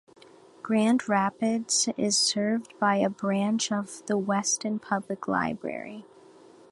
Grand Rapids is served by a branch of the Weston Public Library.